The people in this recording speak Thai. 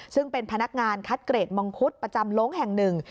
ซึ่งเป็นพนักงานคัดเกรดมังคุดประจำลงแห่งหนึ่ง